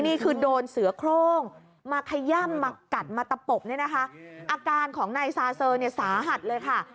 นี่คือโดนเสือโครงมาขย่ำมากัดมาตะปบเนี่ยนะคะอาการของนายซาเซอร์เนี่ยสาหัสเลยค่ะ